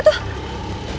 itu ada apa